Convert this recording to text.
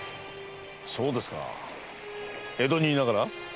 そうですか江戸にいながら。